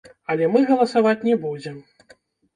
Але мы галасаваць не будзем.